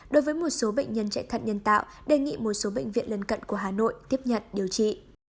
đối với một số bệnh nhân chạy thận nhân tạo đề nghị một số bệnh viện lân cận của hà nội tiếp nhận điều trị